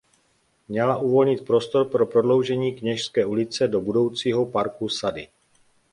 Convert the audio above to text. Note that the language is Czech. Měla uvolnit prostor pro prodloužení Kněžské ulice do budoucího parku Sady.